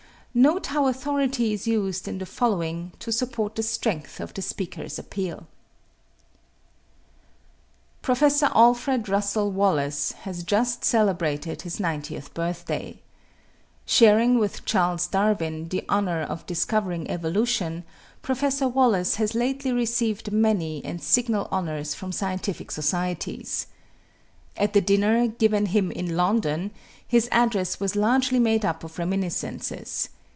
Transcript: Note how authority is used in the following to support the strength of the speaker's appeal: Professor Alfred Russell Wallace has just celebrated his 90th birthday. Sharing with Charles Darwin the honor of discovering evolution, Professor Wallace has lately received many and signal honors from scientific societies. At the dinner given him in London his address was largely made up of reminiscences.